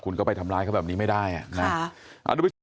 คุณก็ไปทำร้ายเขาแบบนี้ไม่ได้อ่ะนะ